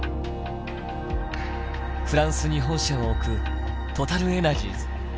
フランスに本社を置くトタル・エナジーズ。